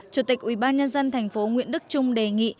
chủ tịch ủy ban nhân dân thành phố nguyễn đức trung đề nghị